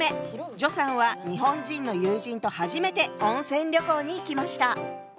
徐さんは日本人の友人と初めて温泉旅行に行きました。